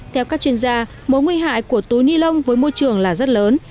theo các chuyên gia mối nguy hại của túi ni lông với môi trường là rất lớn